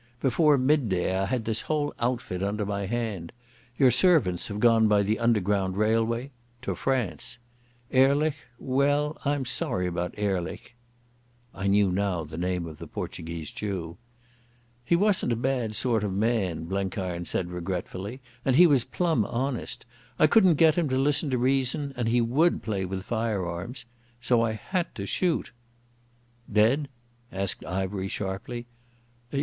Before midday I had this whole outfit under my hand. Your servants have gone by the Underground Railway—to France. Ehrlich—well, I'm sorry about Ehrlich." I knew now the name of the Portuguese Jew. "He wasn't a bad sort of man," Blenkiron said regretfully, "and he was plumb honest. I couldn't get him to listen to reason, and he would play with firearms. So I had to shoot." "Dead?" asked Ivery sharply.